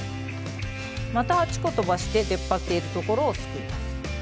また８個とばして出っ張っているところをすくいます。